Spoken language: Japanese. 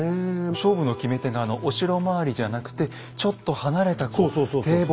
勝負の決め手がお城周りじゃなくてちょっと離れた堤防。